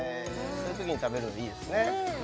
そういうときに食べるのいいですね